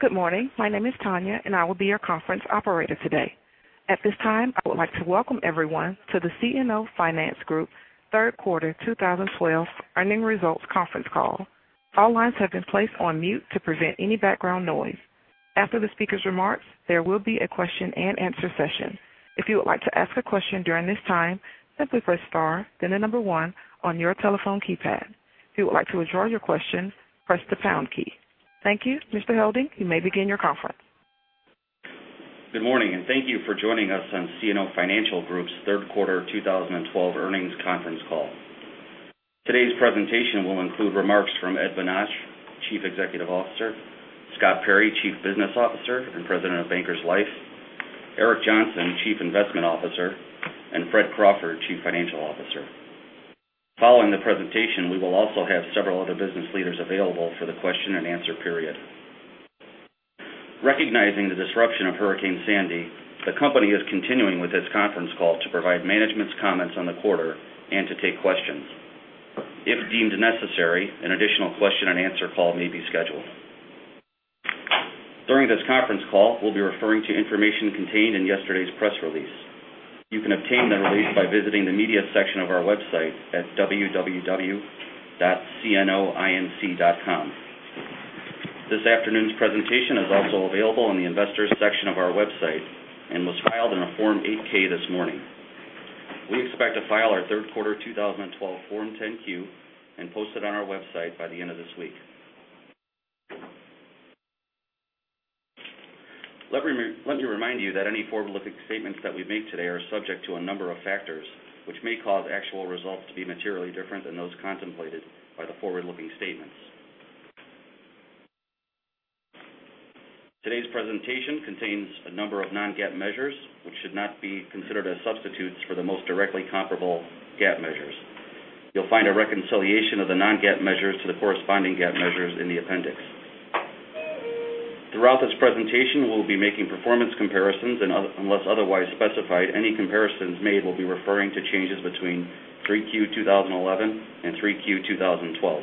Good morning. My name is Tanya, and I will be your conference operator today. At this time, I would like to welcome everyone to the CNO Financial Group third quarter 2012 earnings results conference call. All lines have been placed on mute to prevent any background noise. After the speaker's remarks, there will be a question and answer session. If you would like to ask a question during this time, simply press star, then number 1 on your telephone keypad. If you would like to withdraw your question, press the pound key. Thank you. Mr. Helding, you may begin your conference. Good morning. Thank you for joining us on CNO Financial Group's third quarter 2012 earnings conference call. Today's presentation will include remarks from Ed Bonach, Chief Executive Officer, Scott Perry, Chief Business Officer and President of Bankers Life, Eric Johnson, Chief Investment Officer, and Frederick Crawford, Chief Financial Officer. Following the presentation, we will also have several other business leaders available for the question and answer period. Recognizing the disruption of Hurricane Sandy, the company is continuing with this conference call to provide management's comments on the quarter and to take questions. If deemed necessary, an additional question and answer call may be scheduled. During this conference call, we'll be referring to information contained in yesterday's press release. You can obtain the release by visiting the media section of our website at www.cnoinc.com. This afternoon's presentation is also available on the investor section of our website and was filed in a Form 8-K this morning. We expect to file our third quarter 2012 Form 10-Q and post it on our website by the end of this week. Let me remind you that any forward-looking statements that we make today are subject to a number of factors, which may cause actual results to be materially different than those contemplated by the forward-looking statements. Today's presentation contains a number of non-GAAP measures, which should not be considered as substitutes for the most directly comparable GAAP measures. You'll find a reconciliation of the non-GAAP measures to the corresponding GAAP measures in the appendix. Throughout this presentation, we'll be making performance comparisons, unless otherwise specified, any comparisons made will be referring to changes between 3Q 2011 and 3Q 2012.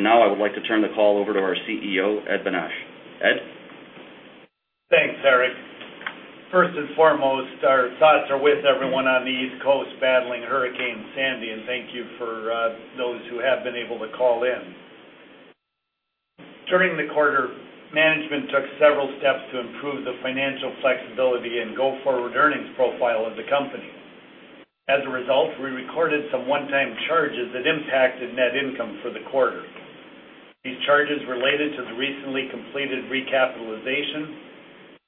Now I would like to turn the call over to our CEO, Ed Bonach. Ed? Thanks, Erik. First and foremost, our thoughts are with everyone on the East Coast battling Hurricane Sandy, and thank you for those who have been able to call in. During the quarter, management took several steps to improve the financial flexibility and go-forward earnings profile of the company. As a result, we recorded some one-time charges that impacted net income for the quarter. These charges related to the recently completed recapitalization,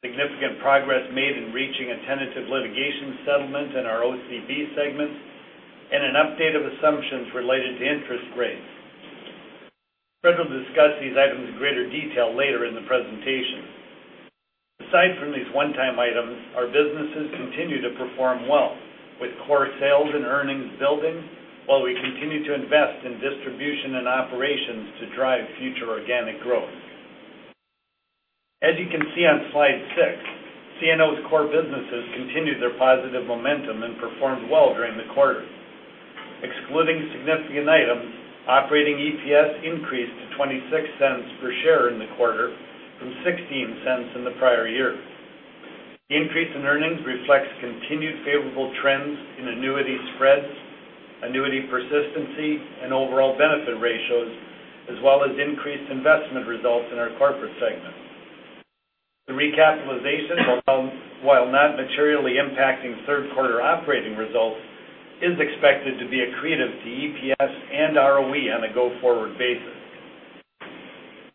significant progress made in reaching a tentative litigation settlement in our OCB segment, and an update of assumptions related to interest rates. Fred will discuss these items in greater detail later in the presentation. Aside from these one-time items, our businesses continue to perform well with core sales and earnings building while we continue to invest in distribution and operations to drive future organic growth. As you can see on slide six, CNO's core businesses continued their positive momentum and performed well during the quarter. Excluding significant items, operating EPS increased to $0.26 per share in the quarter from $0.16 in the prior year. The increase in earnings reflects continued favorable trends in annuity spreads, annuity persistency, and overall benefit ratios, as well as increased investment results in our corporate segment. The recapitalization, while not materially impacting third-quarter operating results, is expected to be accretive to EPS and ROE on a go-forward basis.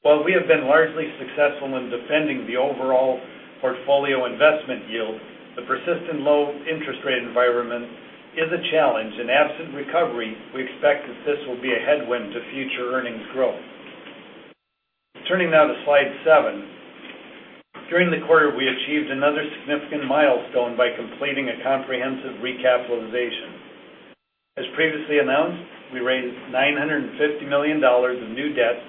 While we have been largely successful in defending the overall portfolio investment yield, the persistent low interest rate environment is a challenge, and absent recovery, we expect that this will be a headwind to future earnings growth. Turning now to slide seven. During the quarter, we achieved another significant milestone by completing a comprehensive recapitalization. As previously announced, we raised $950 million in new debt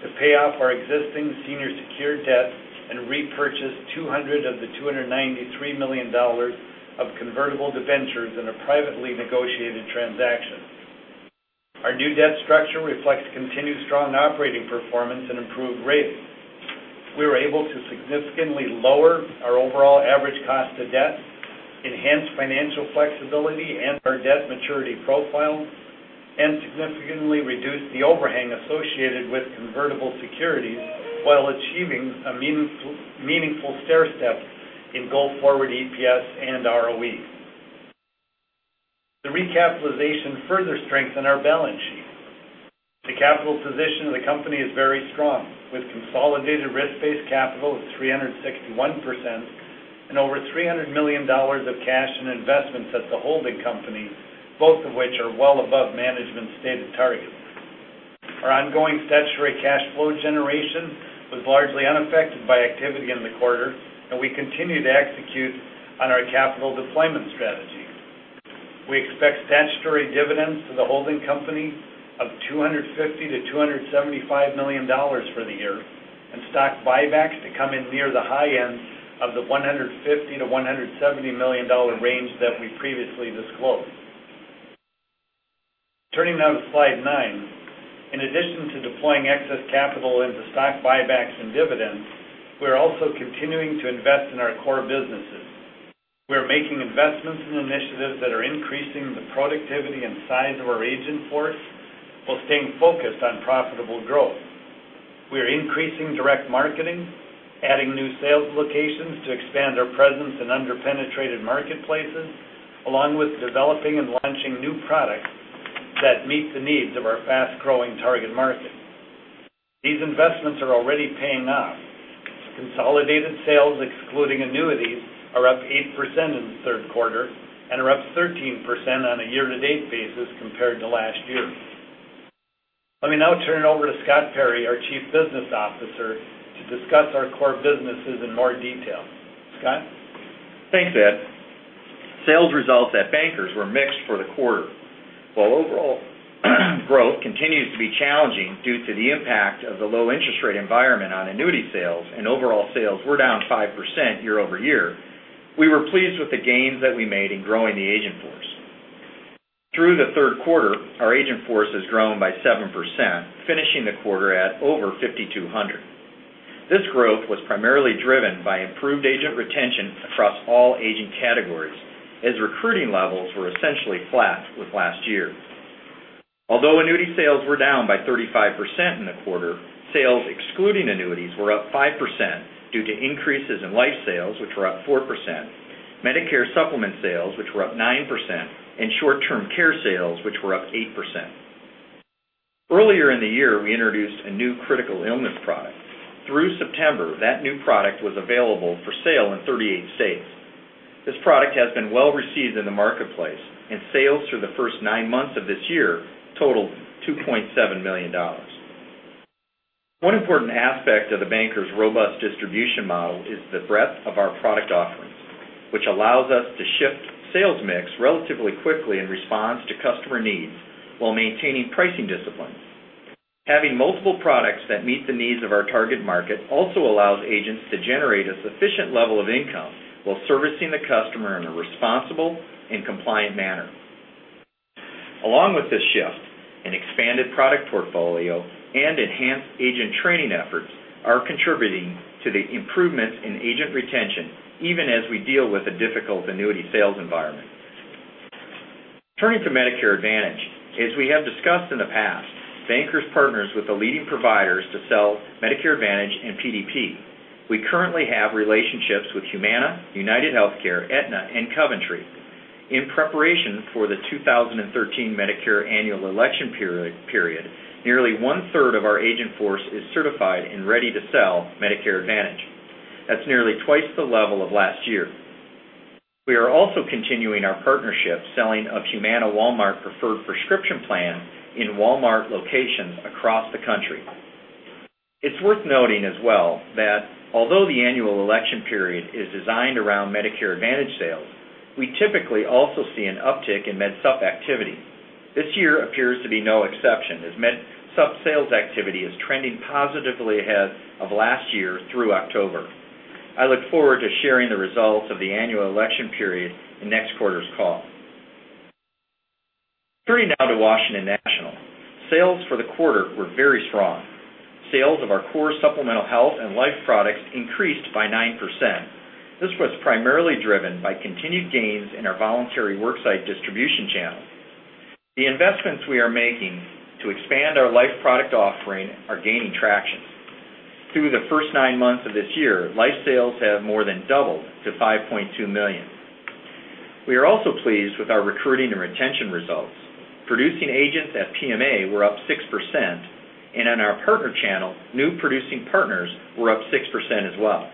to pay off our existing senior secured debt and repurchase $200 of the $293 million of convertible debentures in a privately negotiated transaction. Our new debt structure reflects continued strong operating performance and improved ratings. We were able to significantly lower our overall average cost of debt, enhance financial flexibility and our debt maturity profile, and significantly reduce the overhang associated with convertible securities while achieving a meaningful stairstep in go-forward EPS and ROE. The recapitalization further strengthened our balance sheet. The capital position of the company is very strong with consolidated risk-based capital of 361% and over $300 million of cash and investments at the holding company, both of which are well above management's stated targets. Our ongoing statutory cash flow generation was largely unaffected by activity in the quarter, and we continue to execute on our capital deployment strategy. We expect statutory dividends to the holding company of $250 million-$275 million for the year and stock buybacks to come in near the high end of the $150 million-$170 million range that we previously disclosed. Turning now to slide nine. In addition to deploying excess capital into stock buybacks and dividends, we are also continuing to invest in our core businesses. We are making investments in initiatives that are increasing the productivity and size of our agent force while staying focused on profitable growth. We are increasing direct marketing, adding new sales locations to expand our presence in under-penetrated marketplaces, along with developing and launching new products that meet the needs of our fast-growing target market. These investments are already paying off. Consolidated sales, excluding annuities, are up 8% in the third quarter and are up 13% on a year-to-date basis compared to last year. Let me now turn it over to Scott Perry, our Chief Business Officer, to discuss our core businesses in more detail. Scott? Thanks, Ed. Sales results at Bankers were mixed for the quarter. While overall growth continues to be challenging due to the impact of the low interest rate environment on annuity sales and overall sales were down 5% year-over-year, we were pleased with the gains that we made in growing the agent force. Through the third quarter, our agent force has grown by 7%, finishing the quarter at over 5,200. This growth was primarily driven by improved agent retention across all agent categories, as recruiting levels were essentially flat with last year. Although annuity sales were down by 35% in the quarter, sales excluding annuities were up 5% due to increases in life sales, which were up 4%, Medicare Supplement sales, which were up 9%, and short-term care sales, which were up 8%. Earlier in the year, we introduced a new critical illness product. Through September, that new product was available for sale in 38 states. This product has been well received in the marketplace, and sales through the first nine months of this year totaled $2.7 million. One important aspect of the Bankers' robust distribution model is the breadth of our product offerings, which allows us to shift sales mix relatively quickly in response to customer needs while maintaining pricing disciplines. Having multiple products that meet the needs of our target market also allows agents to generate a sufficient level of income while servicing the customer in a responsible and compliant manner. Along with this shift, an expanded product portfolio and enhanced agent training efforts are contributing to the improvements in agent retention, even as we deal with a difficult annuity sales environment. Turning to Medicare Advantage. As we have discussed in the past, Bankers partners with the leading providers to sell Medicare Advantage and PDP. We currently have relationships with Humana, UnitedHealthcare, Aetna, and Coventry. In preparation for the 2013 Medicare annual election period, nearly one-third of our agent force is certified and ready to sell Medicare Advantage. That's nearly twice the level of last year. We are also continuing our partnership selling of Humana Walmart-Preferred Rx Plan in Walmart locations across the country. It's worth noting as well that although the annual election period is designed around Medicare Advantage sales, we typically also see an uptick in MedSup activity. This year appears to be no exception, as MedSup sales activity is trending positively ahead of last year through October. I look forward to sharing the results of the annual election period in next quarter's call. Turning now to Washington National. Sales for the quarter were very strong. Sales of our core supplemental health and life products increased by 9%. This was primarily driven by continued gains in our voluntary worksite distribution channel. The investments we are making to expand our life product offering are gaining traction. Through the first nine months of this year, life sales have more than doubled to $5.2 million. We are also pleased with our recruiting and retention results. Producing agents at PMA were up 6%, and in our partner channel, new producing partners were up 6% as well.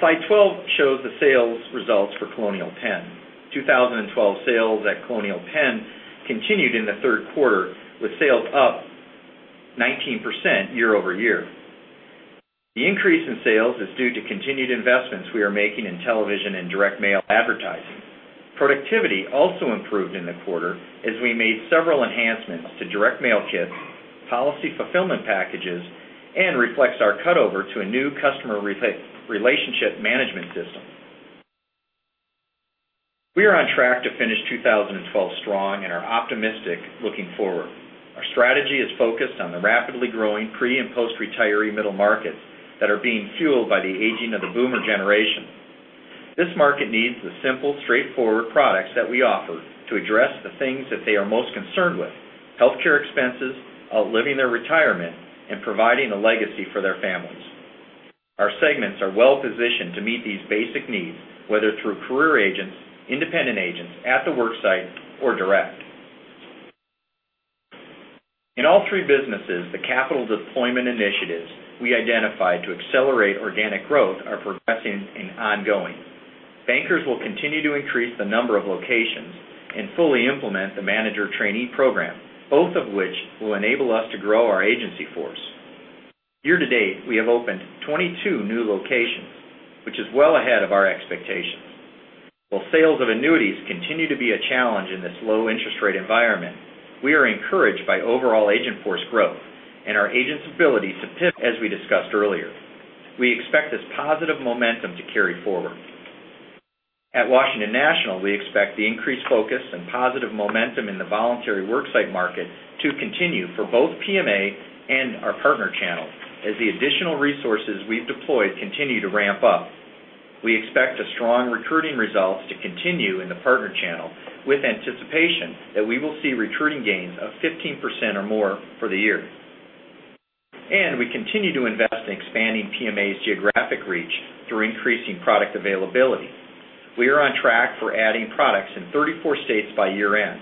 Slide 12 shows the sales results for Colonial Penn. 2012 sales at Colonial Penn continued in the third quarter with sales up 19% year-over-year. The increase in sales is due to continued investments we are making in television and direct mail advertising. Productivity also improved in the quarter as we made several enhancements to direct mail kits, policy fulfillment packages, and reflects our cutover to a new customer relationship management system. We are on track to finish 2012 strong and are optimistic looking forward. Our strategy is focused on the rapidly growing pre and post-retiree middle markets that are being fueled by the aging of the boomer generation. This market needs the simple, straightforward products that we offer to address the things that they are most concerned with, healthcare expenses, outliving their retirement, and providing a legacy for their families. Our segments are well positioned to meet these basic needs, whether through career agents, independent agents at the work site or direct. In all three businesses, the capital deployment initiatives we identified to accelerate organic growth are progressing and ongoing. Bankers will continue to increase the number of locations and fully implement the manager trainee program, both of which will enable us to grow our agency force. Year-to-date, we have opened 22 new locations, which is well ahead of our expectations. While sales of annuities continue to be a challenge in this low interest rate environment, we are encouraged by overall agent force growth and our agents' ability. We expect this positive momentum to carry forward. At Washington National, we expect the increased focus and positive momentum in the voluntary worksite market to continue for both PMA and our partner channel as the additional resources we've deployed continue to ramp up. We expect strong recruiting results to continue in the partner channel, with anticipation that we will see recruiting gains of 15% or more for the year. We continue to invest in expanding PMA's geographic reach through increasing product availability. We are on track for adding products in 34 states by year-end.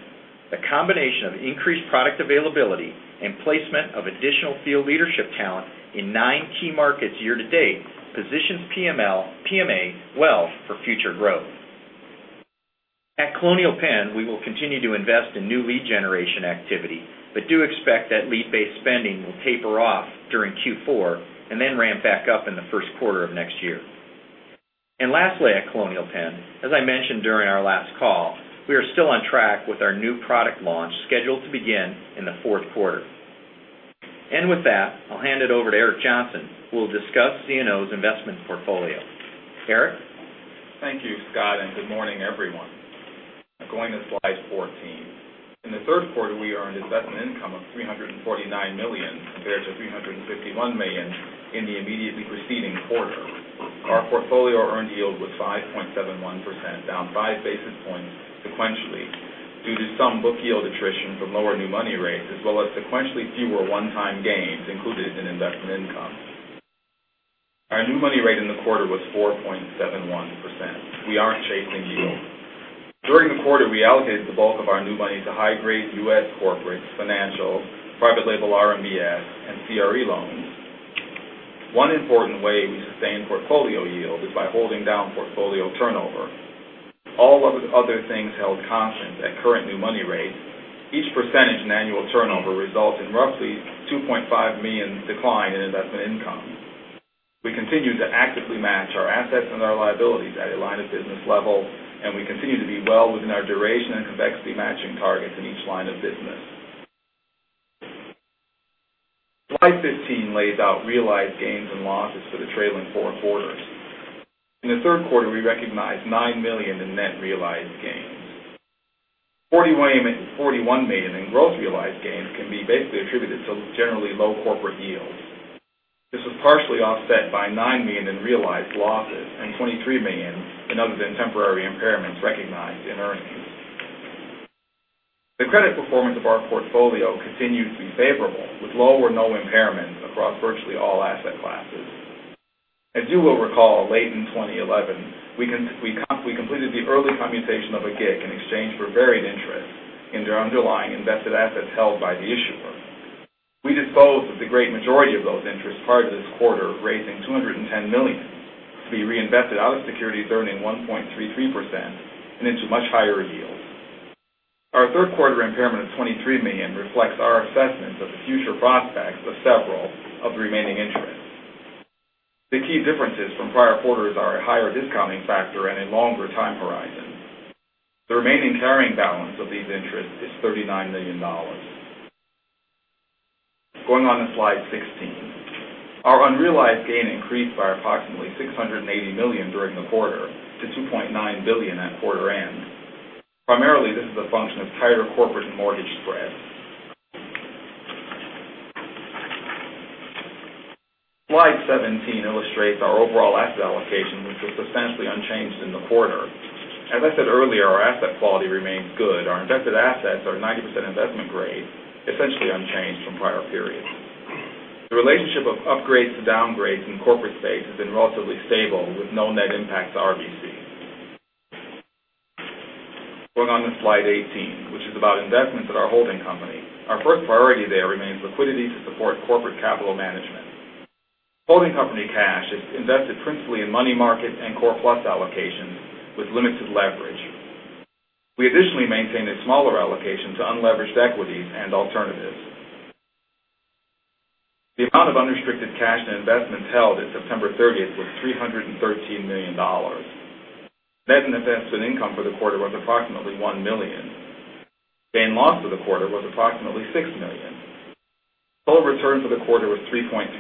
The combination of increased product availability and placement of additional field leadership talent in nine key markets year-to-date positions PMA well for future growth. At Colonial Penn, we will continue to invest in new lead generation activity, do expect that lead-based spending will taper off during Q4 and then ramp back up in the first quarter of next year. Lastly, at Colonial Penn, as I mentioned during our last call, we are still on track with our new product launch scheduled to begin in the fourth quarter. With that, I'll hand it over to Eric Johnson, who will discuss CNO's investment portfolio. Eric? Thank you, Scott, and good morning, everyone. Going to slide 14. In the third quarter, we earned investment income of $349 million compared to $351 million in the immediately preceding quarter. Our portfolio earned yield was 5.71%, down five basis points sequentially due to some book yield attrition from lower new money rates, as well as sequentially fewer one-time gains included in investment income. Our new money rate in the quarter was 4.71%. We aren't chasing yield. During the quarter, we allocated the bulk of our new money to high-grade U.S. corporates, financials, private label RMBS, and CRE loans. One important way we sustain portfolio yield is by holding down portfolio turnover. All of other things held constant at current new money rates, each percentage in annual turnover results in roughly $2.5 million decline in investment income. We continue to actively match our assets and our liabilities at a line of business level. We continue to be well within our duration and convexity matching targets in each line of business. Slide 15 lays out realized gains and losses for the trailing four quarters. In the third quarter, we recognized $9 million in net realized gains. $41 million in gross realized gains can be basically attributed to generally low corporate yields. This was partially offset by $9 million in realized losses and $23 million in other than temporary impairments recognized in earnings. The credit performance of our portfolio continued to be favorable, with low or no impairment across virtually all asset classes. As you will recall, late in 2011, we completed the early commutation of a GIC in exchange for varying interests in the underlying invested assets held by the issuer. We disposed of the great majority of those interests prior to this quarter, raising $210 million to be reinvested out of securities earning 1.33% and into much higher yields. Our third quarter impairment of $23 million reflects our assessment of the future prospects of several of the remaining interests. The key differences from prior quarters are a higher discounting factor and a longer time horizon. The remaining carrying balance of these interests is $39 million. Going on to slide 16. Our unrealized gain increased by approximately $680 million during the quarter to $2.9 billion at quarter end. Primarily, this is a function of tighter corporate mortgage spreads. Slide 17 illustrates our overall asset allocation, which was substantially unchanged in the quarter. As I said earlier, our asset quality remains good. Our invested assets are 90% investment grade, essentially unchanged from prior periods. The relationship of upgrades to downgrades in corporate space has been relatively stable with no net impact to RBC. Going on to slide 18, which is about investments at our holding company. Our first priority there remains liquidity to support corporate capital management. Holding company cash is invested principally in money market and core plus allocations with limited leverage. We additionally maintain a smaller allocation to unleveraged equities and alternatives. The amount of unrestricted cash and investments held at September 30th was $313 million. Net investment income for the quarter was approximately $1 million. Gain loss for the quarter was approximately $6 million. Total return for the quarter was 3.3%.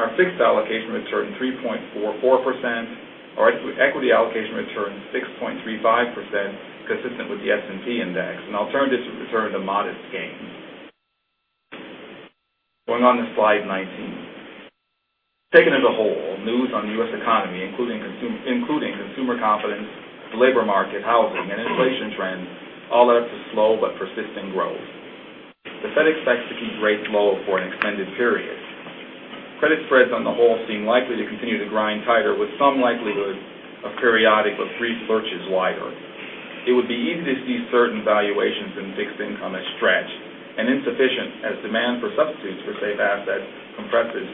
Our fixed allocation returned 3.44%. Our equity allocation returned 6.35%, consistent with the S&P Index. Alternatives returned a modest gain. Going on to slide 19. Taken as a whole, news on the U.S. economy, including consumer confidence, labor market, housing, and inflation trends, all adds to slow but persistent growth. The Fed expects to keep rates low for an extended period. Credit spreads on the whole seem likely to continue to grind tighter, with some likelihood of periodic but brief searches wider. It would be easy to see certain valuations in fixed income as stretched and insufficient as demand for substitutes for safe assets compresses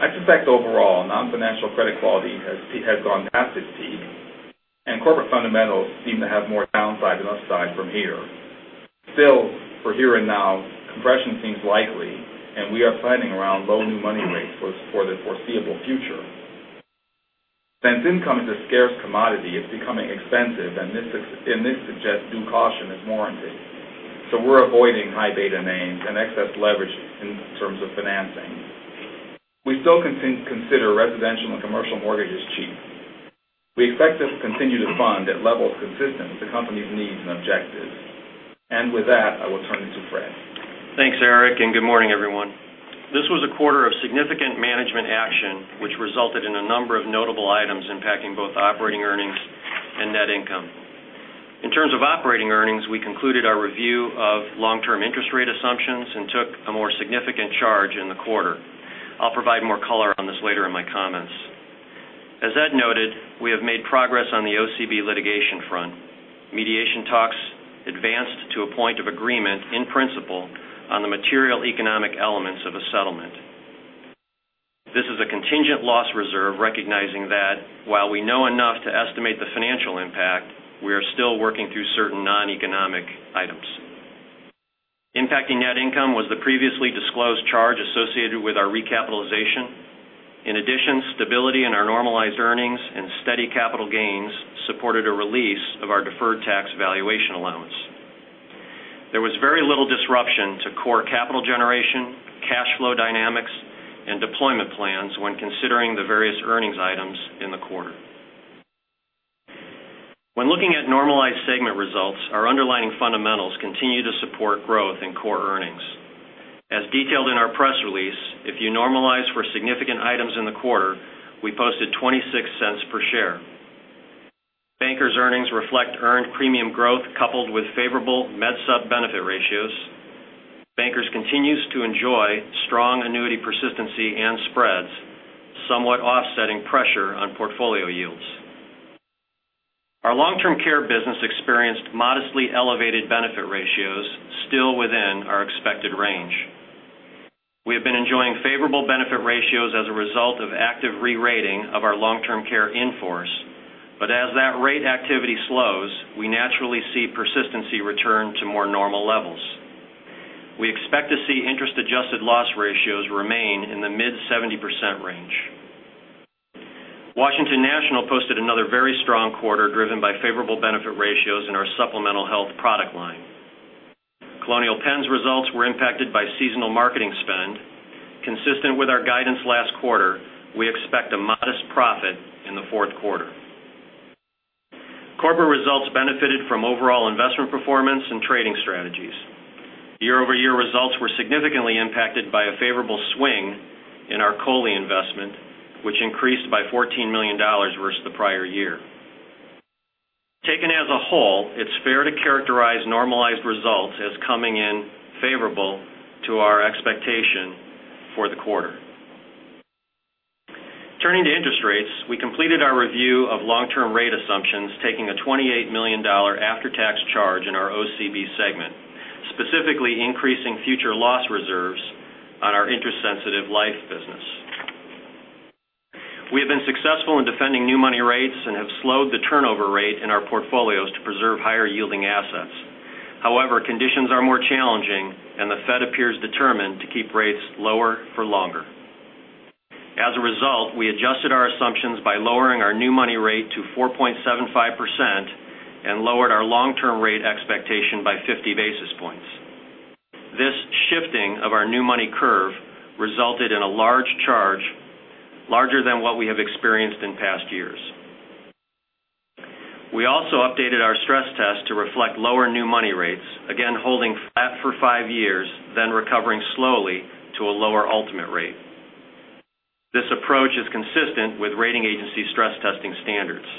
value. I suspect overall, non-financial credit quality has gone past its peak, and corporate fundamentals seem to have more downside than upside from here. Still, for here and now, compression seems likely, and we are planning around low new money rates for the foreseeable future. Since income is a scarce commodity, it's becoming expensive, and this suggests due caution is warranted. We're avoiding high beta names and excess leverage in terms of financing. We still consider residential and commercial mortgage as cheap. We expect to continue to fund at levels consistent with the company's needs and objectives. With that, I will turn it to Fred. Thanks, Eric, good morning, everyone. This was a quarter of significant management action, which resulted in a number of notable items impacting both operating earnings and net income. In terms of operating earnings, we concluded our review of long-term interest rate assumptions and took a more significant charge in the quarter. I'll provide more color on this later in my comments. As Ed noted, we have made progress on the OCB litigation front. Mediation talks advanced to a point of agreement in principle on the material economic elements of a settlement. This is a contingent loss reserve recognizing that while we know enough to estimate the financial impact, we are still working through certain non-economic items. Impacting net income was the previously disclosed charge associated with our recapitalization. In addition, stability in our normalized earnings and steady capital gains supported a release of our deferred tax valuation allowance. There was very little disruption to core capital generation, cash flow dynamics, and deployment plans when considering the various earnings items in the quarter. When looking at normalized segment results, our underlying fundamentals continue to support growth in core earnings. As detailed in our press release, if you normalize for significant items in the quarter, we posted $0.26 per share. Bankers' earnings reflect earned premium growth coupled with favorable MedSup benefit ratios. Bankers continues to enjoy strong annuity persistency and spreads, somewhat offsetting pressure on portfolio yields. Our long-term care business experienced modestly elevated benefit ratios still within our expected range. We have been enjoying favorable benefit ratios as a result of active re-rating of our long-term care in-force, but as that rate activity slows, we naturally see persistency return to more normal levels. We expect to see interest-adjusted loss ratios remain in the mid 70% range. Washington National posted another very strong quarter driven by favorable benefit ratios in our supplemental health product line. Colonial Penn's results were impacted by seasonal marketing spend. Consistent with our guidance last quarter, we expect a modest profit in the fourth quarter. Corporate results benefited from overall investment performance and trading strategies. Year-over-year results were significantly impacted by a favorable swing in our COLI investment, which increased by $14 million versus the prior year. Taken as a whole, it's fair to characterize normalized results as coming in favorable to our expectation for the quarter. Turning to interest rates, we completed our review of long-term rate assumptions, taking a $28 million after-tax charge in our OCB segment, specifically increasing future loss reserves on our interest-sensitive life business. We have been successful in defending new money rates and have slowed the turnover rate in our portfolios to preserve higher-yielding assets. Conditions are more challenging, the Fed appears determined to keep rates lower for longer. We adjusted our assumptions by lowering our new money rate to 4.75% and lowered our long-term rate expectation by 50 basis points. This shifting of our new money curve resulted in a large charge, larger than what we have experienced in past years. We also updated our stress test to reflect lower new money rates, again, holding flat for five years, then recovering slowly to a lower ultimate rate. This approach is consistent with rating agency stress testing standards.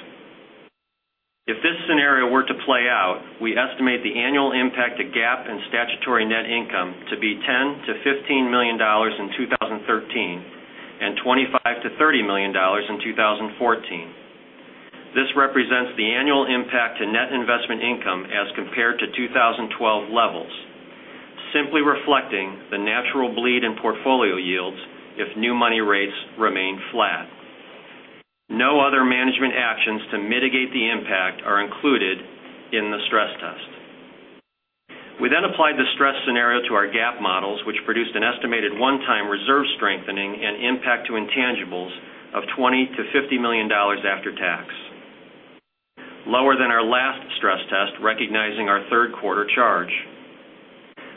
If this scenario were to play out, we estimate the annual impact to GAAP and statutory net income to be $10 million to $15 million in 2013 and $25 million to $30 million in 2014. This represents the annual impact to net investment income as compared to 2012 levels, simply reflecting the natural bleed in portfolio yields if new money rates remain flat. No other management actions to mitigate the impact are included in the stress test. We applied the stress scenario to our GAAP models, which produced an estimated one-time reserve strengthening and impact to intangibles of $20 million to $50 million after tax, lower than our last stress test, recognizing our third quarter charge.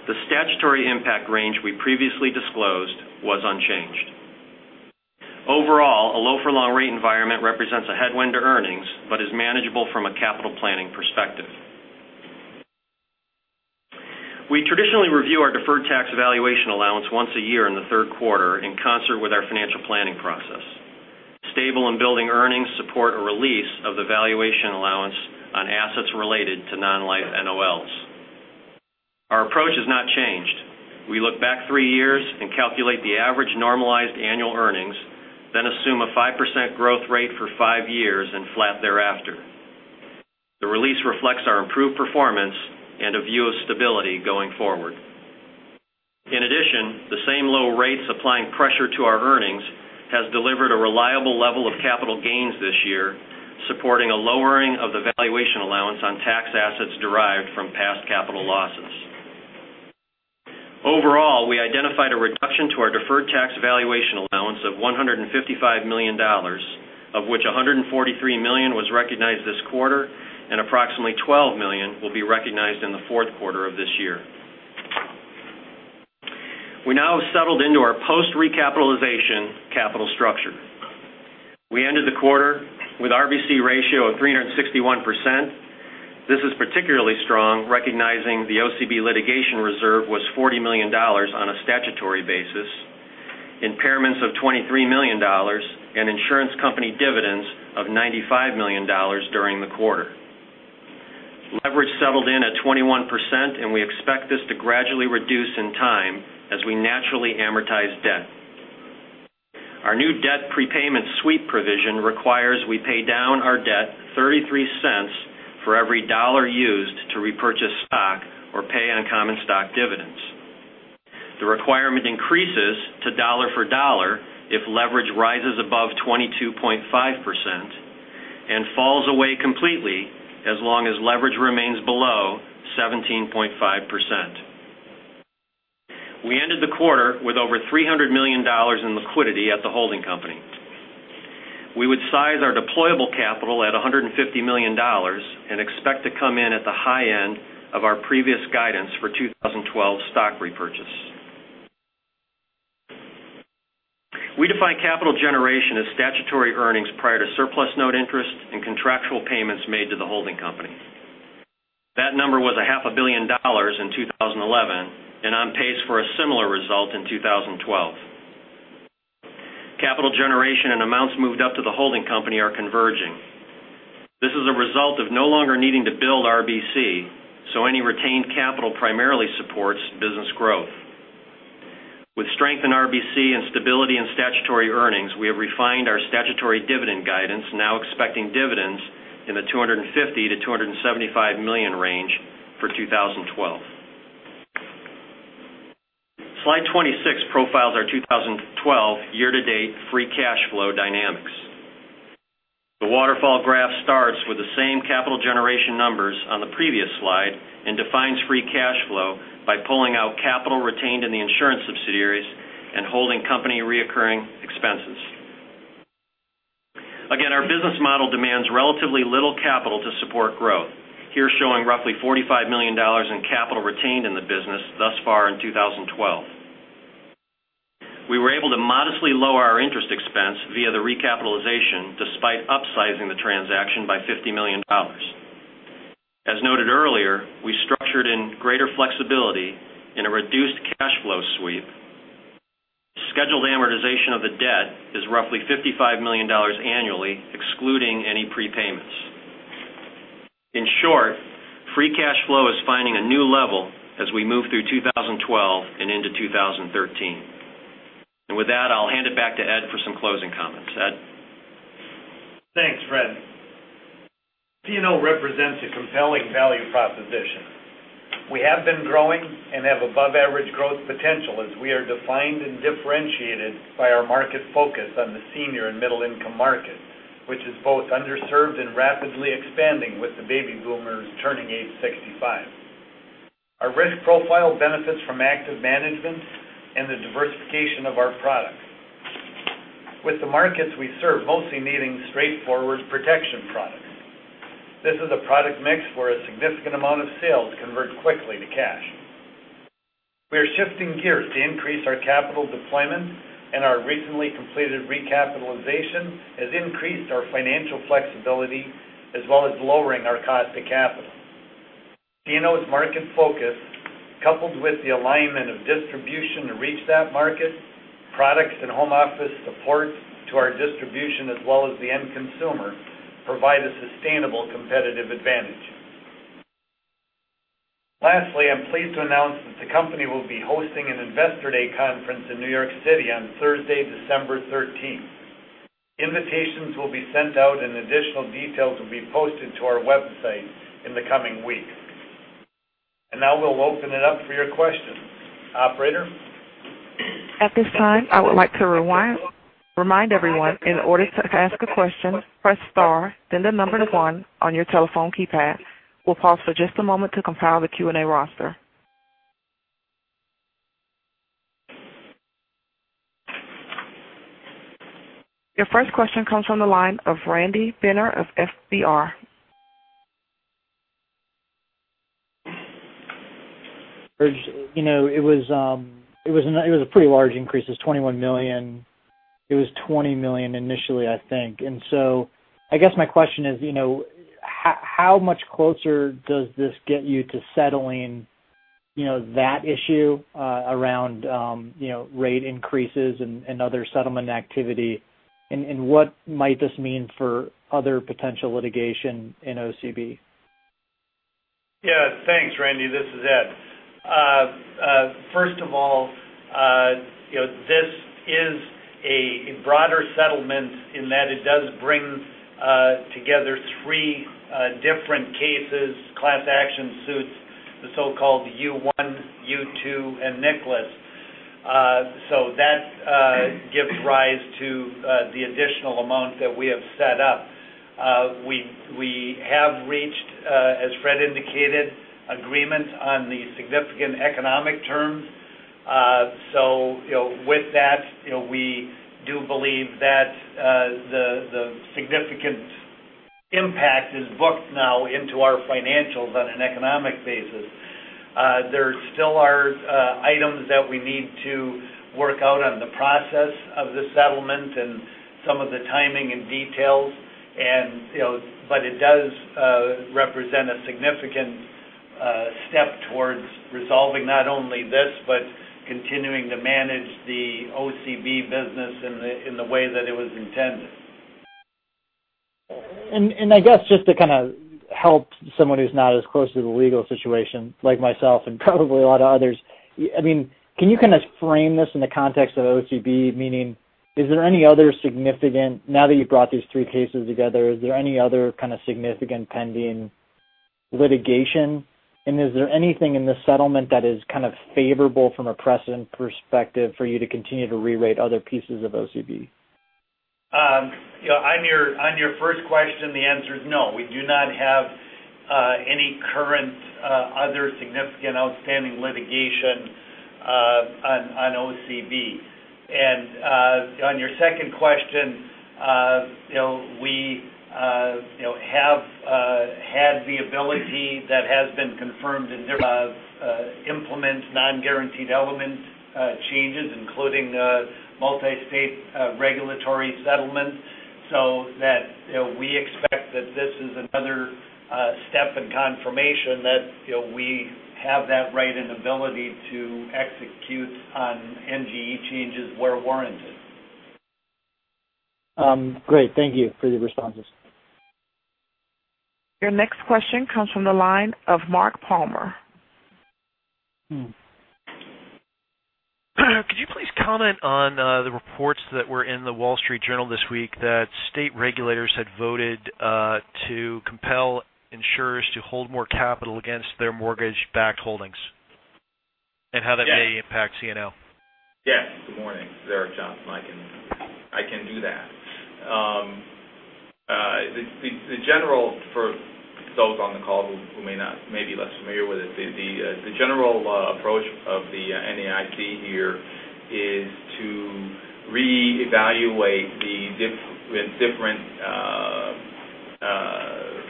The statutory impact range we previously disclosed was unchanged. Overall, a low-for-long rate environment represents a headwind to earnings but is manageable from a capital planning perspective. We traditionally review our deferred tax valuation allowance once a year in the third quarter in concert with our financial planning process. Stable and building earnings support a release of the valuation allowance on assets related to non-life NOLs. Our approach has not changed. We look back three years and calculate the average normalized annual earnings, assume a 5% growth rate for five years and flat thereafter. In addition, the same low rates applying pressure to our earnings has delivered a reliable level of capital gains this year, supporting a lowering of the valuation allowance on tax assets derived to our deferred tax valuation allowance of $155 million, of which $143 million was recognized this quarter and approximately $12 million will be recognized in the fourth quarter of this year. We now have settled into our post-recapitalization capital structure. We ended the quarter with RBC ratio of 361%. This is particularly strong, recognizing the OCB litigation reserve was $40 million on a statutory basis, impairments of $23 million, and insurance company dividends of $95 million during the quarter. Leverage settled in at 21%. We expect this to gradually reduce in time as we naturally amortize debt. Our new debt prepayment sweep provision requires we pay down our debt $0.33 for every dollar used to repurchase stock or pay on common stock dividends. The requirement increases to dollar for dollar if leverage rises above 22.5% and falls away completely as long as leverage remains below 17.5%. We ended the quarter with over $300 million in liquidity at the holding company. We would size our deployable capital at $150 million and expect to come in at the high end of our previous guidance for 2012 stock repurchase. We define capital generation as statutory earnings prior to surplus note interest and contractual payments made to the holding company. That number was a half a billion dollars in 2011 and on pace for a similar result in 2012. Capital generation and amounts moved up to the holding company are converging. This is a result of no longer needing to build RBC. Any retained capital primarily supports business growth. With strength in RBC and stability in statutory earnings, we have refined our statutory dividend guidance, now expecting dividends in the $250 million-$275 million range for 2012. Slide 26 profiles our 2012 year-to-date free cash flow dynamics. The waterfall graph starts with the same capital generation numbers on the previous slide and defines free cash flow by pulling out capital retained in the insurance subsidiaries and holding company recurring expenses. Again, our business model demands relatively little capital to support growth, here showing roughly $45 million in capital retained in the business thus far in 2012. We were able to modestly lower our interest expense via the recapitalization, despite upsizing the transaction by $50 million. As noted earlier, we structured in greater flexibility and a reduced cash flow sweep. Scheduled amortization of the debt is roughly $55 million annually, excluding any prepayments. In short, free cash flow is finding a new level as we move through 2012 and into 2013. With that, I'll hand it back to Ed for some closing comments. Ed? Thanks, Fred. CNO represents a compelling value proposition. We have been growing and have above-average growth potential as we are defined and differentiated by our market focus on the senior and middle-income market, which is both underserved and rapidly expanding with the baby boomers turning age 65. Our risk profile benefits from active management and the diversification of our products. With the markets we serve mostly needing straightforward protection products, this is a product mix where a significant amount of sales convert quickly to cash. We are shifting gears to increase our capital deployment. Our recently completed recapitalization has increased our financial flexibility, as well as lowering our cost of capital. CNO's market focus, coupled with the alignment of distribution to reach that market, products and home office support to our distribution as well as the end consumer, provide a sustainable competitive advantage. I'm pleased to announce that the company will be hosting an investor day conference in New York City on Thursday, December 13th. Invitations will be sent out, additional details will be posted to our website in the coming weeks. Now we'll open it up for your questions. Operator? At this time, I would like to remind everyone, in order to ask a question, press star, then the number 1 on your telephone keypad. We'll pause for just a moment to compile the Q&A roster. Your first question comes from the line of Randy Binner of FBR. You know, it was a pretty large increase. It was $21 million. It was $20 million initially, I think. I guess my question is, how much closer does this get you to settling that issue around rate increases and other settlement activity? What might this mean for other potential litigation in OCB? Yeah. Thanks, Randy. This is Ed. First of all, this is a broader settlement in that it does bring together three different cases, class action suits, the so-called U1, U2, and Nichols. That gives rise to the additional amount that we have set up. We have reached, as Fred indicated, agreement on the significant economic terms. With that, we do believe that the significant impact is booked now into our financials on an economic basis. There still are items that we need to work out on the process of the settlement and some of the timing and details. It does represent a significant step towards resolving not only this but continuing to manage the OCB business in the way that it was intended. I guess just to kind of help someone who's not as close to the legal situation like myself and probably a lot of others. Can you kind of frame this in the context of OCB? Meaning, now that you've brought these three cases together, is there any other kind of significant pending litigation? Is there anything in this settlement that is kind of favorable from a precedent perspective for you to continue to rerate other pieces of OCB? On your first question, the answer is no. We do not have any current other significant outstanding litigation on OCB. On your second question, we have had the ability that has been confirmed to implement non-guaranteed element changes, including multi-state regulatory settlements, so that we expect that this is another step in confirmation that we have that right and ability to execute on NGE changes where warranted. Great. Thank you for your responses. Your next question comes from the line of Mark Palmer. Could you please comment on the reports that were in The Wall Street Journal this week that state regulators had voted to compel insurers to hold more capital against their mortgage-backed holdings, and how that may impact CNO? Yes. Good morning. This is Eric Johnson. I can do that. For those on the call who may be less familiar with it, the general approach of the NAIC here is to reevaluate the different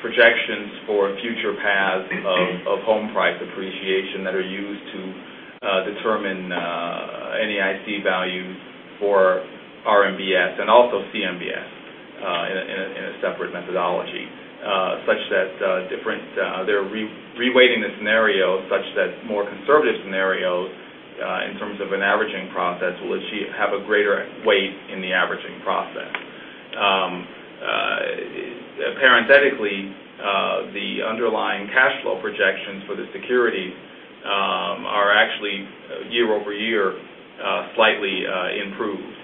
projections for future paths of home price appreciation that are used to determine NAIC values for RMBS and also CMBS in a separate methodology. They're reweighting the scenario such that more conservative scenarios, in terms of an averaging process, will have a greater weight in the averaging process. Parenthetically, the underlying cash flow projections for the security are actually year-over-year slightly improved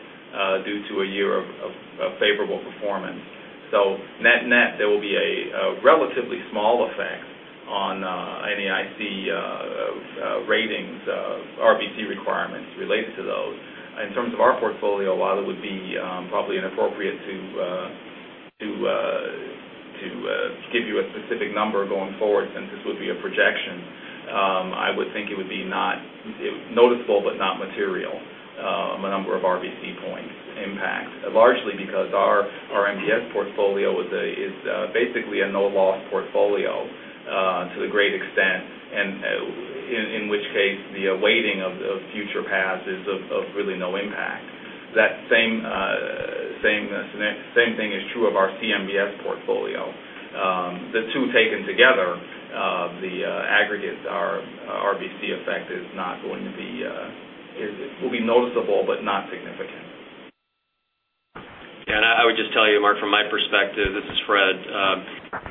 due to a year of favorable performance. Net net, there will be a relatively small effect on NAIC ratings, RBC requirements related to those. In terms of our portfolio, while it would be probably inappropriate to give you a specific number going forward since this would be a projection. I would think it would be noticeable, but not material, the number of RBC points impact. Largely because our MBS portfolio is basically a no-loss portfolio to the great extent, in which case, the weighting of future paths is of really no impact. That same thing is true of our CMBS portfolio. The two taken together, the aggregate RBC effect will be noticeable but not significant. Yeah, I would just tell you, Mark, from my perspective, this is Fred.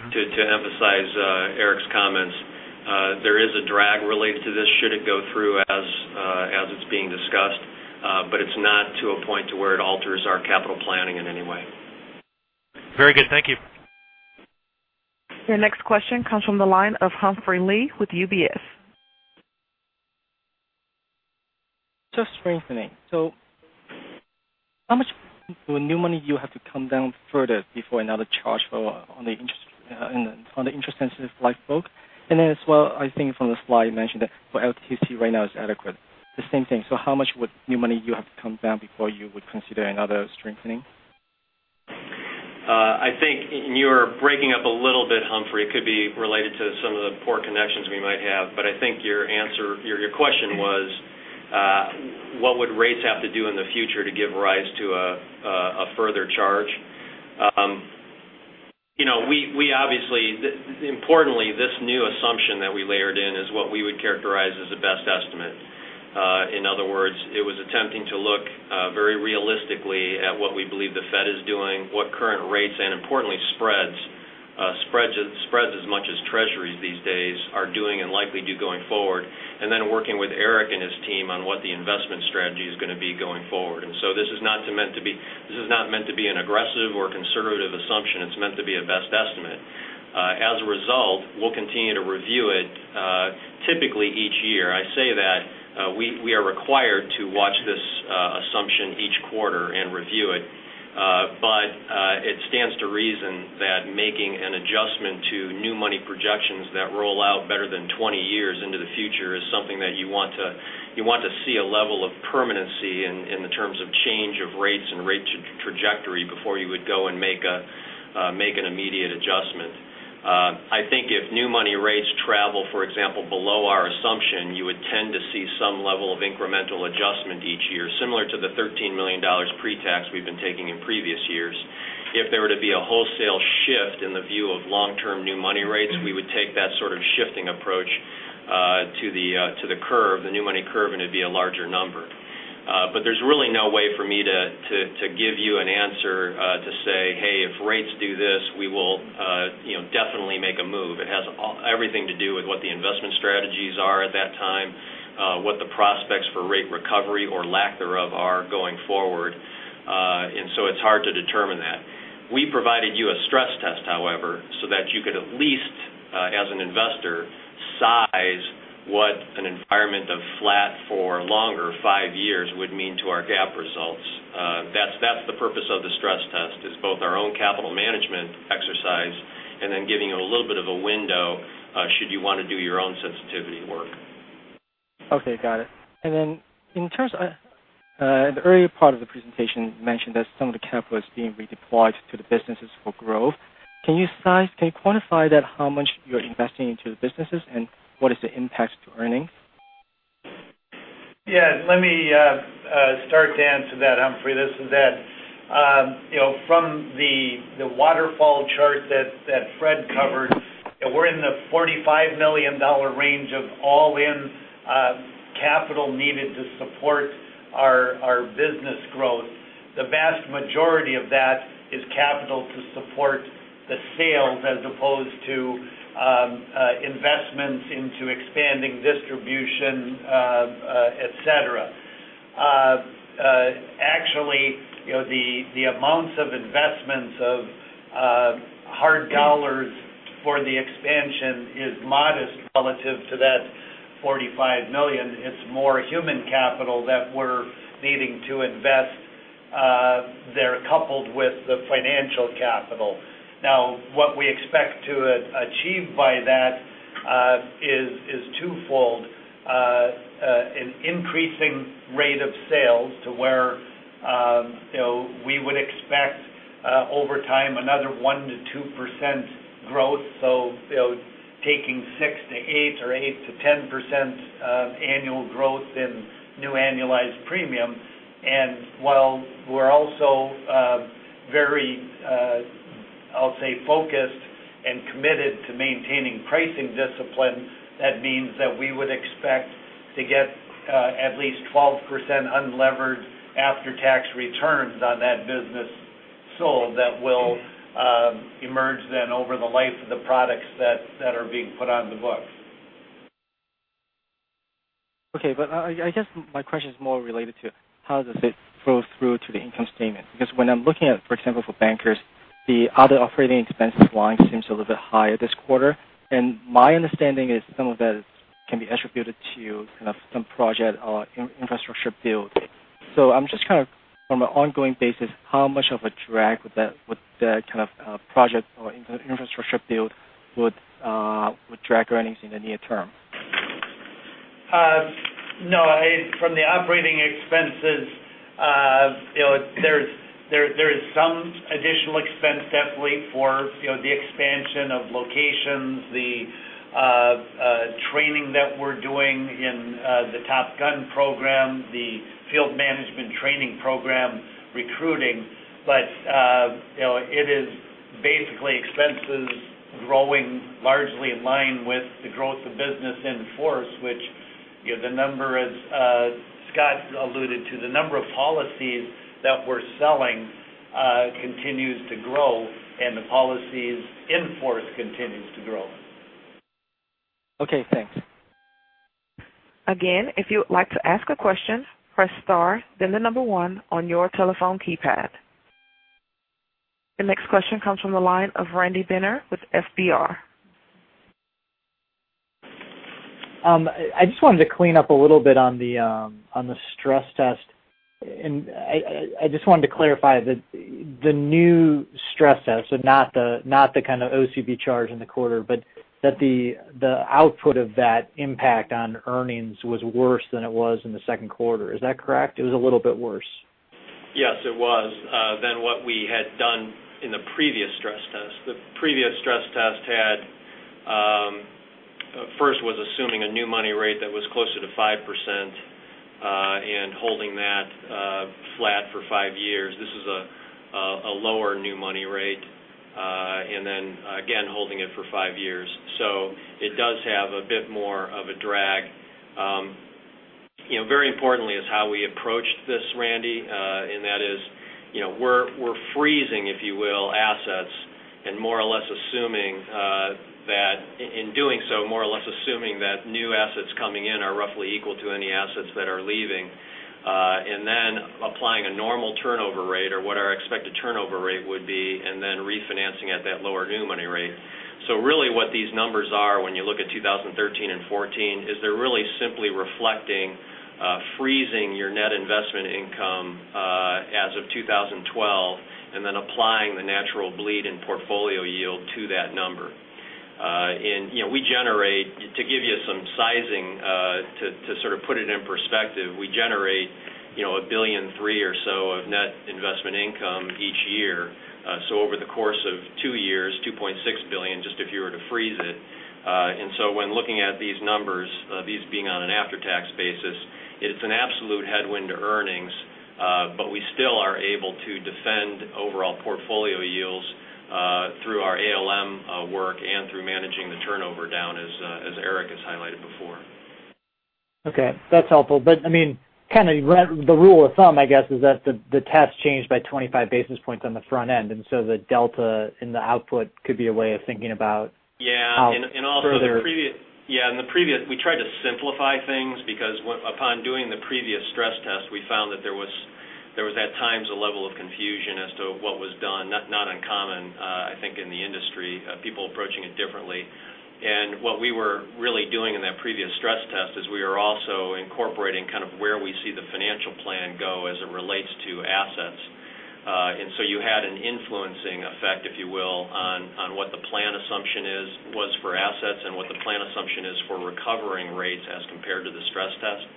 To emphasize Eric's comments, there is a drag related to this should it go through as it's being discussed. It's not to a point to where it alters our capital planning in any way. Very good. Thank you. Your next question comes from the line of Humphrey Lee with UBS. Just strengthening. How much new money you have to come down further before another charge on the interest-sensitive life book? As well, I think from the slide you mentioned that for LTC right now it is adequate. The same thing. How much would new money you have to come down before you would consider another strengthening? I think, you are breaking up a little bit, Humphrey. It could be related to some of the poor connections we might have. I think your question was what would rates have to do in the future to give rise to a further charge? Importantly, this new assumption that we layered in is what we would characterize as a best estimate. In other words, it was attempting to look very realistically at what we believe the Fed is doing, what current rates, and importantly spreads as much as Treasuries these days are doing and likely do going forward. Then working with Eric and his team on what the investment strategy is going to be going forward. This is not meant to be an aggressive or conservative assumption. It is meant to be a best estimate. Continue to review it typically each year. I say that we are required to watch this assumption each quarter and review it. It stands to reason that making an adjustment to new money projections that roll out better than 20 years into the future is something that you want to see a level of permanency in the terms of change of rates and rate trajectory before you would go and make an immediate adjustment. I think if new money rates travel, for example, below our assumption, you would tend to see some level of incremental adjustment each year, similar to the $13 million pre-tax we've been taking in previous years. If there were to be a wholesale shift in the view of long-term new money rates, we would take that sort of shifting approach to the new money curve, and it'd be a larger number. There's really no way for me to give you an answer, to say, "Hey, if rates do this, we will definitely make a move." It has everything to do with what the investment strategies are at that time, what the prospects for rate recovery or lack thereof are going forward. It's hard to determine that. We provided you a stress test, however, so that you could at least, as an investor, size what an environment of flat for longer, five years, would mean to our GAAP results. That's the purpose of the stress test is both our own capital management exercise and then giving you a little bit of a window should you want to do your own sensitivity work. Okay. Got it. In terms of the earlier part of the presentation mentioned that some of the capital is being redeployed to the businesses for growth. Can you quantify that, how much you're investing into the businesses and what is the impact to earnings? Yeah. Let me start to answer that, Humphrey. This is Ed. From the waterfall chart that Fred covered, we're in the $45 million range of all-in capital needed to support our business growth. The vast majority of that is capital to support the sales as opposed to investments into expanding distribution, et cetera. Actually, the amounts of investments of hard dollars for the expansion is modest relative to that $45 million. It's more human capital that we're needing to invest there coupled with the financial capital. Now, what we expect to achieve by that is twofold. An increasing rate of sales to where we would expect, over time, another 1%-2% growth. Taking 6%-8% or 8%-10% annual growth in new annualized premium. While we're also very, I'll say, focused and committed to maintaining pricing discipline, that means that we would expect to get at least 12% unlevered after-tax returns on that business sold that will emerge then over the life of the products that are being put on the books. Okay. I guess my question is more related to how does it flow through to the income statement? Because when I'm looking at, for example, for Bankers, the other operating expenses line seems a little bit higher this quarter, and my understanding is some of that can be attributed to some project or infrastructure build. I'm just kind of, on an ongoing basis, how much of a drag would that kind of project or infrastructure build would drag earnings in the near term? No. From the operating expenses, there is some additional expense definitely for the expansion of locations, the training that we're doing in the Top Gun program, the field management training program, recruiting. It is basically expenses growing largely in line with the growth of business in force, which the number, as Scott alluded to, the number of policies that we're selling continues to grow, and the policies in force continues to grow. Okay, thanks. If you would like to ask a question, press star then the number one on your telephone keypad. The next question comes from the line of Randy Binner with FBR. I just wanted to clean up a little bit on the stress test. I just wanted to clarify that the new stress test, so not the kind of OCB charge in the quarter, but that the output of that impact on earnings was worse than it was in the second quarter. Is that correct? It was a little bit worse. Yes, it was, than what we had done in the previous stress test. The previous stress test first was assuming a new money rate that was closer to 5% and holding that flat for five years. This is a lower new money rate. Then again, holding it for five years. It does have a bit more of a drag. Very importantly is how we approached this, Randy, and that is, we're freezing, if you will, assets and more or less assuming that new assets coming in are roughly equal to any assets that are leaving. Then applying a normal turnover rate or what our expected turnover rate would be, and then refinancing at that lower new money rate. Really what these numbers are when you look at 2013 and 2014, is they're really simply reflecting freezing your net investment income as of 2012, then applying the natural bleed in portfolio yield to that number. To give you some sizing to sort of put it in perspective, we generate about $1.3 billion or so of net investment income each year. Over the course of two years, $2.6 billion, just if you were to freeze it. When looking at these numbers, these being on an after-tax basis, it's an absolute headwind to earnings. We still are able to defend overall portfolio yields through our ALM work and through managing the turnover down as Eric has highlighted before. Okay, that's helpful. The rule of thumb, I guess, is that the test changed by 25 basis points on the front end, and so the delta in the output could be a way of thinking about. Yeah. We tried to simplify things because upon doing the previous stress test, we found that there was at times a level of confusion as to what was done. Not uncommon, I think, in the industry. People approaching it differently. What we were really doing in that previous stress test is we were also incorporating kind of where we see the financial plan go as it relates to assets. You had an influencing effect, if you will, on what the plan assumption was for assets and what the plan assumption is for recovering rates as compared to the stress test.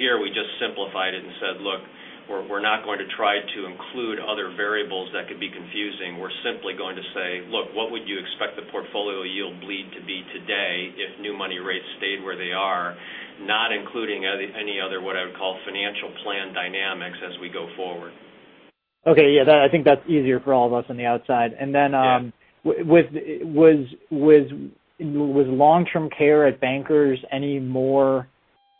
Here we just simplified it and said, look, we're not going to try to include other variables that could be confusing. We're simply going to say, look, what would you expect the portfolio yield bleed to be today if new money rates stayed where they are? Not including any other, what I would call financial plan dynamics as we go forward. Okay. Yeah, I think that's easier for all of us on the outside. Yeah. Was long-term care at Bankers any more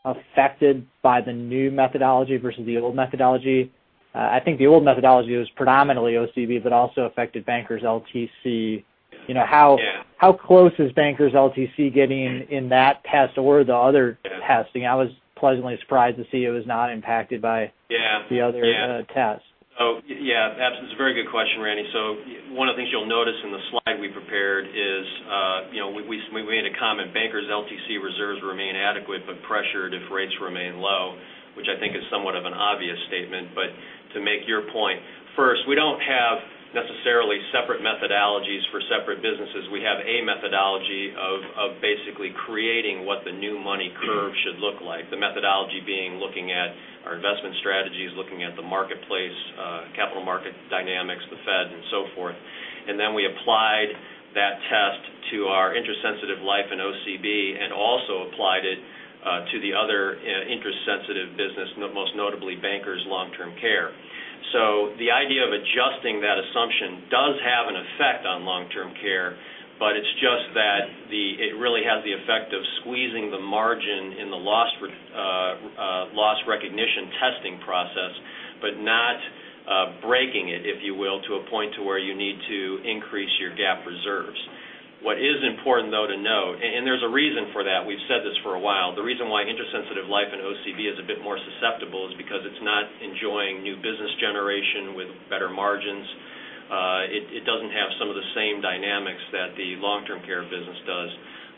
affected by the new methodology versus the old methodology? I think the old methodology was predominantly OCB, but also affected Bankers LTC. Yeah. How close is Bankers LTC getting in that test or the other testing? I was pleasantly surprised to see it was not impacted by- Yeah the other test. Yeah, absolutely. It's a very good question, Randy. One of the things you'll notice in the slide we prepared is we made a comment. Bankers LTC reserves remain adequate but pressured if rates remain low, which I think is somewhat of an obvious statement. To make your point, first, we don't have necessarily separate methodologies for separate businesses. We have a methodology of basically creating what the new money curve should look like. The methodology being looking at our investment strategies, looking at the marketplace, capital market dynamics, the Fed, and so forth. We applied that test to our interest sensitive life and OCB, and also applied it to the other interest sensitive business, most notably Bankers Long-Term Care. The idea of adjusting that assumption does have an effect on long-term care, but it's just that it really has the effect of squeezing the margin in the loss recognition testing process, but not breaking it, if you will, to a point to where you need to increase your GAAP reserves. What is important though to note. There's a reason for that. We've said this for a while. The reason why interest sensitive life and OCB is a bit more susceptible is because it's not enjoying new business generation with better margins. It doesn't have some of the same dynamics that the long-term care business does.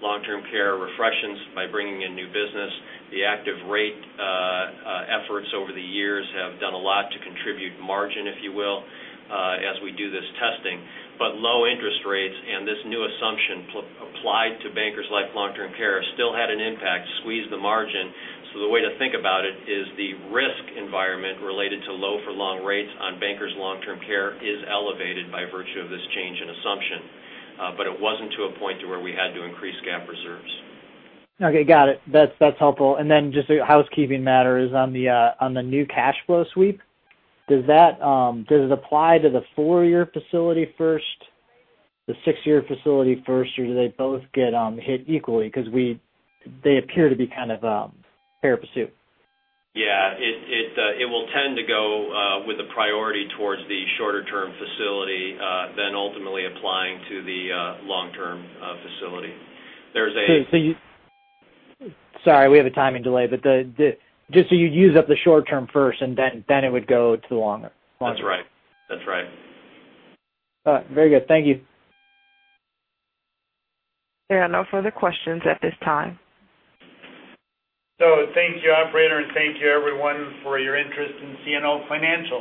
Long-term care refreshens by bringing in new business. The active rate efforts over the years have done a lot to contribute margin, if you will, as we do this testing. Low interest rates and this new assumption applied to Bankers Life Long-Term Care still had an impact, squeezed the margin. The way to think about it is the risk environment related to low for long rates on Bankers Long-Term Care is elevated by virtue of this change in assumption. It wasn't to a point to where we had to increase GAAP reserves. Okay, got it. That's helpful. Then just a housekeeping matter is on the new cash flow sweep. Does it apply to the four-year facility first, the six-year facility first, or do they both get hit equally? They appear to be kind of a pari passu. Yeah. It will tend to go with a priority towards the shorter-term facility, then ultimately applying to the long-term facility. Sorry, we have a timing delay. Just so you use up the short term first, and then it would go to the longer. That's right. All right. Very good. Thank you. There are no further questions at this time. Thank you, operator, and thank you, everyone for your interest in CNO Financial.